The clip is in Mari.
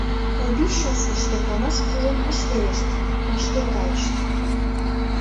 Лбищенскыште канаш кужун ыш верешт — вашке кайышт.